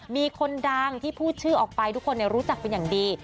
มีคนดังที่พูดชื่อออกไปทุกคนรู้จักเป็นอย่างดี